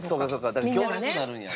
だから行列になるんや。